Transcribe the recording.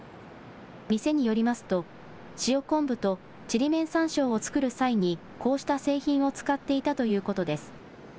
店によりますと、塩昆布とちりめん山椒を作る際にこうした製品を使っていたということです。